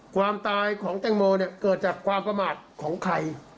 ความตายของแตงโมเนี่ยเกิดจากความประมาทของใคร